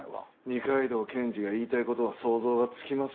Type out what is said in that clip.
二階堂検事が言いたい事は想像がつきますよ。